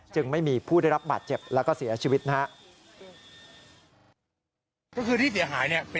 จึงไม่มีผู้ได้รับบาดเจ็บแล้วก็เสียชีวิตนะครับ